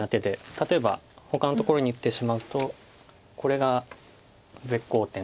例えばほかのところに打ってしまうとこれが絶好点で。